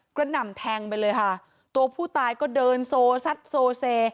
หน่ำแทงไปเลยค่ะตัวผู้ตายก็เดินโซซัดโซเซ